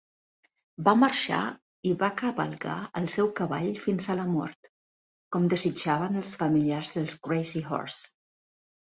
Va marxar i va cavalcar el seu cavall fins a la mort, com desitjaven els familiars de Crazy Horse.